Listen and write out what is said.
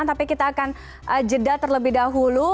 tapi kita akan jeda terlebih dahulu